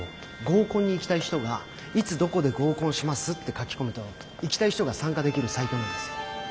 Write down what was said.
合コンに行きたい人がいつどこで合コンしますって書き込むと行きたい人が参加できるサイトなんです。